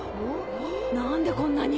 何でこんなに。